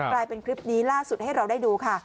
กลายเป็นคลิปนี้ล่าสุดให้เราได้ดูค่ะ